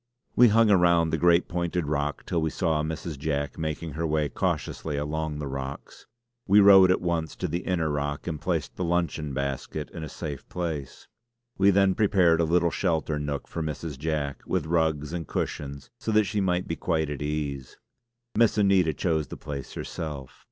We hung around the great pointed rock till we saw Mrs. Jack making her way cautiously along the rocks. We rowed at once to the inner rock and placed the luncheon basket in a safe place. We then prepared a little sheltered nook for Mrs. Jack, with rugs and cushions so that she might be quite at ease. Miss Anita chose the place herself.